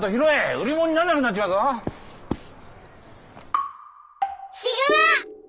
売り物になんなくなっちまうぞ。悲熊。